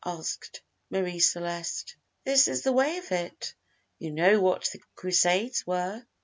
asked Marie Celeste. "This is the way of it. You know what the Crusades were?"